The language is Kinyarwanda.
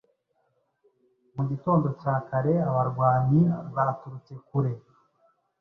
Mu gitondo cya kareabarwanyi baturutse kure